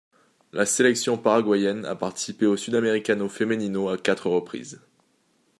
La sélection paraguayenne a participé au Sudamericano Femenino à quatre reprises.